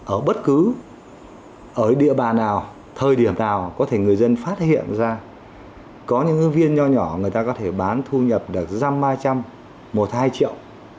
ở bất cứ ở địa bàn nào thời điểm nào có thể người dân phát hiện ra có những ngư viên nhỏ nhỏ người ta có thể bán thu nhập được răm hai trăm một hai triệu